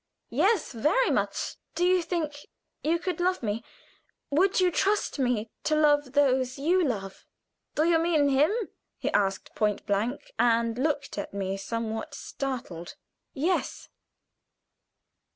"Yes; very much." "Do you think you could love me? Would you trust me to love those you love?" "Do you mean him?" he asked point blank, and looked at me somewhat startled. "Yes."